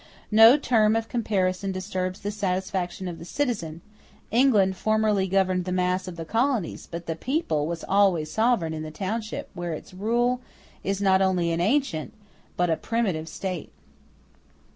No term of comparison disturbs the satisfaction of the citizen: England formerly governed the mass of the colonies, but the people was always sovereign in the township where its rule is not only an ancient but a primitive state.